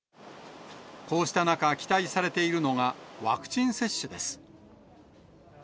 こうした中、期待されているのがワクチン接種です。